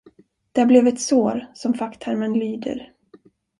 Där blev ett sår, som facktermen lyder.